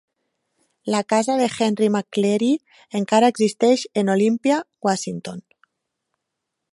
La casa de Henry McCleary encara existeix en Olympia, Washington.